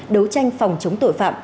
đấu tranh phòng chống tội phạm